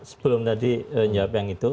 sebelum tadi jawab yang itu